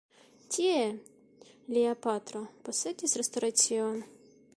Tie lia patro posedis restoracion.